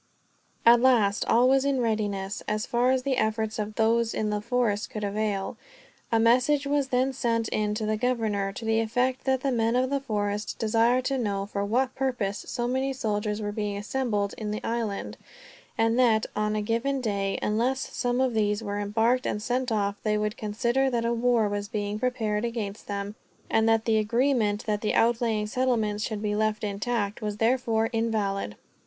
At last all was in readiness, as far as the efforts of those in the forest could avail. A message was then sent in to the governor, to the effect that the men of the forest desired to know for what purpose so many soldiers were being assembled in the island; and that, on a given day, unless some of these were embarked and sent off, they would consider that a war was being prepared against them, and that the agreement that the outlying settlements should be left intact was therefore invalid.